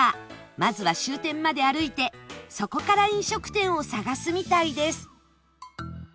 まずは終点まで歩いてそこから飲食店を探すみたいです